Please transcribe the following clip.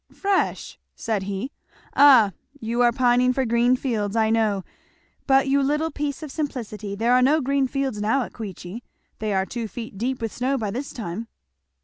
"Fresh!" said he. "Ah you are pining for green fields, I know. But you little piece of simplicity, there are no green fields now at Queechy they are two feet deep with snow by this time."